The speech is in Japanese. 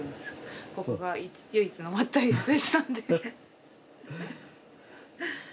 ここが唯一のまったりスペースなんで。